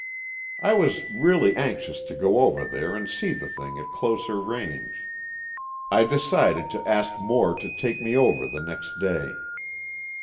I was really anxious to go over there and see the thing at closer range. I decided to ask Moore to take me over the next day.